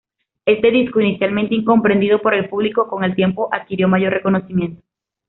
Este disco, inicialmente incomprendido por el público, con el tiempo adquirió mayor reconocimiento.